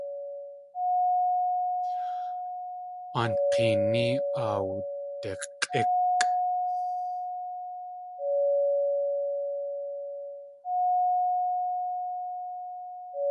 Aantk̲eení áa wdik̲ʼíkʼ.